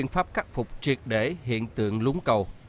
phục triệt để hiện tượng lúng cầu